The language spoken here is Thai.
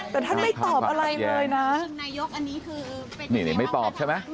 แต่ท่านไม่ตอบอะไรเลยนะนายกอันนี้คือนี่ไม่ตอบใช่ไหม